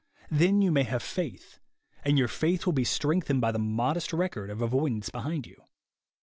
Then you may have faith ; and your faith will be strengthened by the modest record of avoidance behind you.